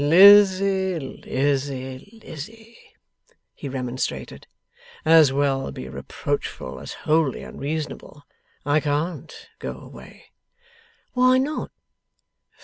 'Lizzie, Lizzie, Lizzie!' he remonstrated. 'As well be reproachful as wholly unreasonable. I can't go away.' 'Why not?